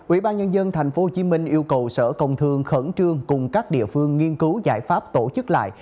ubnd tp hcm yêu cầu sở công thương khẩn trương cùng các địa phương nghiên cứu giải pháp tổ chức lại